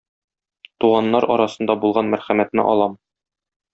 Туганнар арасында булган мәрхәмәтне алам.